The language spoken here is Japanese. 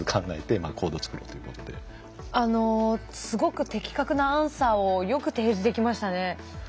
すごく的確なアンサーをよく提示できましたね。